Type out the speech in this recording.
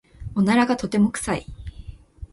おならがとても臭い。